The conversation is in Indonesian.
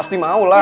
pasti mau lah